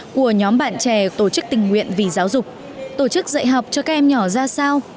của nhóm bạn trẻ tổ chức tình nguyện vì giáo dục tổ chức dạy học cho các em nhỏ ra sao